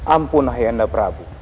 ampun ayoneh prabu